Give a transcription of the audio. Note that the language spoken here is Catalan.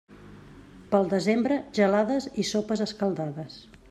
Pel desembre, gelades i sopes escaldades.